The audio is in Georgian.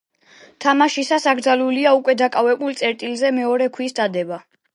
თამაშისას აკრძალულია უკვე დაკავებულ წერტილზე მეორე ქვის დადება.